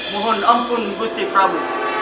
mohon ampun buti prabu